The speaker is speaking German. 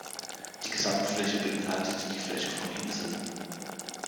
Die Gesamtfläche beinhaltet die Fläche von Inseln.